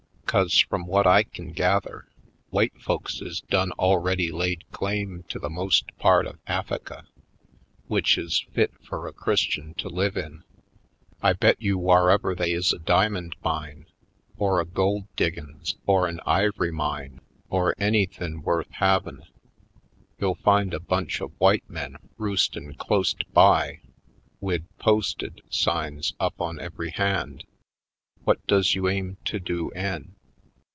'Cause, f rum whut I kin gather, w'ite folks is done already laid claim to the most part of Af fika w'ich is fit fur a Christian to live in. I bet you wharever they is a diamond mine or a gold diggin's or an ivory mine or any thin' wuth havin', you'll find a bunch of w'ite men roostin' close't by, wid 'Posted' signs up on every hand. Whut does you aim to do 'en?"